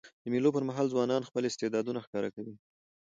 د مېلو پر مهال ځوانان خپل استعدادونه ښکاره کوي.